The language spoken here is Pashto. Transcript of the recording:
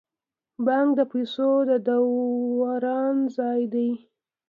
بانک د پیسو د دوران ځای دی